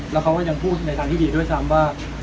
แล้วเขาก็ยังพูดในทางที่ดีด้วยซ้ำว่า